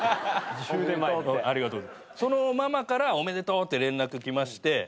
そのママから「おめでとう」って連絡来まして。